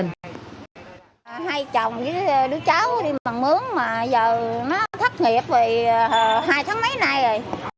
hai chồng với đứa cháu đi bằng mướn mà giờ nó thất nghiệp vì hai tháng mấy nay rồi